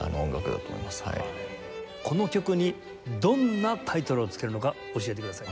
この曲にどんなタイトルをつけるのか教えてください。